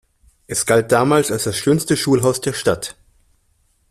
Es galt damals als schönstes Schulhaus der Stadt.